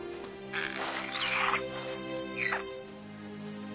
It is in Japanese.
うん。